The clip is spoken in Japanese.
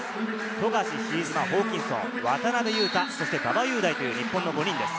富樫、ホーキンソン、渡邊雄太、馬場雄大という５人です。